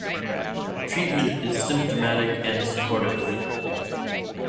Treatment is symptomatic and supportive.